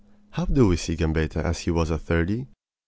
How do we see Gambetta as he was at thirty?